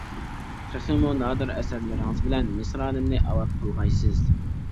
تېخىمۇ نادىر ئەسەرلىرىڭىز بىلەن مىسرانىمنى ئاۋات قىلغايسىز!